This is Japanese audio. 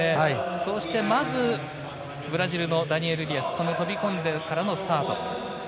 そしてまずブラジルのダニエル・ディアス飛び込んでからのスタート。